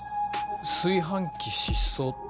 「炊飯器失踪」って。